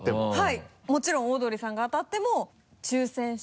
はいもちろんオードリーさんが当たっても抽選して。